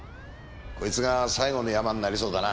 こいつが最後のヤマになりそうだな。